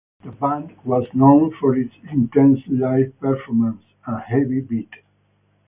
The band was known for its intense live performances and heavy beat.